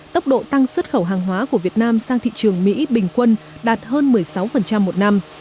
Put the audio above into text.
tốc độ tăng xuất khẩu hàng hóa của việt nam sang thị trường mỹ bình quân đạt hơn một mươi sáu một năm